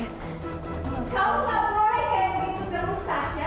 kamu gak boleh kayak begini terus tasya